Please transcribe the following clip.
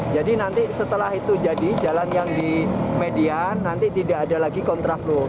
jadi nanti setelah itu jadi jalan yang di median nanti tidak ada lagi kontraflow